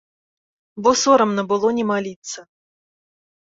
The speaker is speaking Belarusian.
Бо сорамна было не маліцца.